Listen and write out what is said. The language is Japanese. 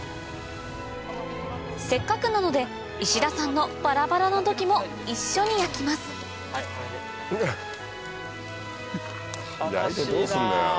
せっかくなので石田さんのバラバラの土器も一緒に焼きます悲しいなぁ。